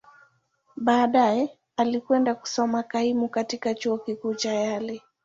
Baadaye, alikwenda kusoma kaimu katika Chuo Kikuu cha Yale.